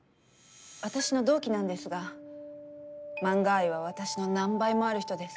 私の同期なんですが漫画愛は私の何倍もある人です。